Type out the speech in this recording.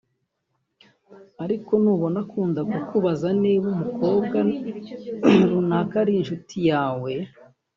Ariko nubona akunda kukubaza niba umukobwa runaka ari inshuti yawe